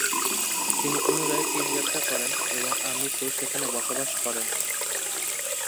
তিনি পুনরায় চীন যাত্রা করেন এবং আমৃত্যু সেখানে বসবাস করেন।